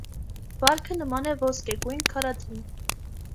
Վարքը նման է ոսկեգույն քարադրին։